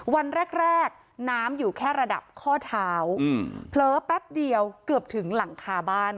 วันแรกน้ำอยู่แค่ระดับข้อเท้าเผลอแป๊บเดียวเกือบถึงหลังคาบ้าน